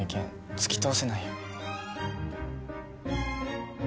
突き通せないよ